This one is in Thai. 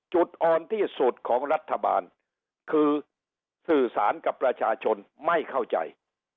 จุดอ่อนที่สุดของรัฐบาลคือสื่อสารกับประชาชนไม่เข้าใจ